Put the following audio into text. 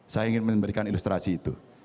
saya ingin memberikan ilustrasi itu